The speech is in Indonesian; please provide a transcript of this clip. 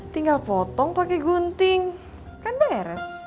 tinggal potong pakai gunting kan beres